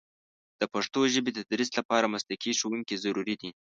د پښتو ژبې د تدریس لپاره مسلکي ښوونکي ضروري دي.